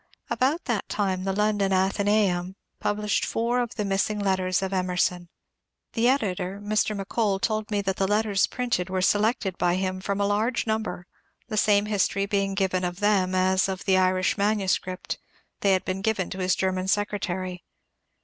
About that time the London ^^ Athenaeum " published four of the missing let ters of Emerson. The editor, Mr. McCoU, told me that the letters printed were selected by him from a large number, the same history being given of them as of the Irish manuscript, — they had been given to his German secretaiy.